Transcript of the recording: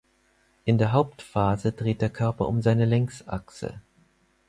In der Hauptphase dreht der Körper um seine Längsachse.